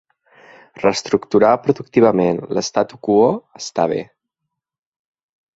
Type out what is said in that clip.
Reestructurar productivament l'statu quo està bé.